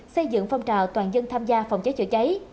xây dựng phong trào toàn dân tham gia phòng cháy chữa cháy